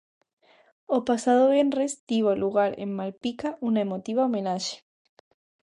O pasado venres tivo lugar en Malpica unha emotiva homenaxe.